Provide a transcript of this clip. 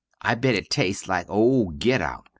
I bet it tests like ole get out.